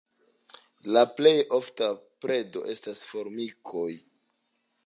La plej ofta predo estas formikoj.